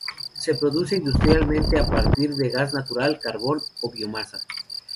Se produce industrialmente a partir de gas natural, carbón o biomasa.